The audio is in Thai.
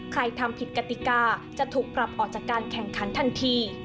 ทำผิดกติกาจะถูกปรับออกจากการแข่งขันทันที